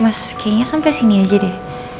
mas kayaknya sampai sini aja deh